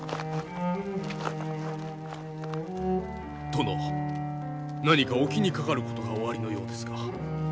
殿何かお気にかかることがおありのようですが。